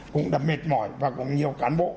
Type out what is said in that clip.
cũng đã mệt mỏi và cũng nhiều cán bộ